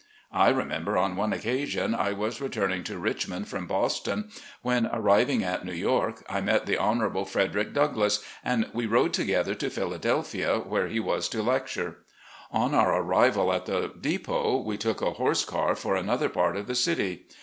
I remember on one occasion, I was returning to Richmond, from Boston, when arriving at New York, I met the Honorable Frederick Douglass, and we rode together to Philadelphia, where he was to lec ture. On our arrival at the depot we took a horse car for another part of the city.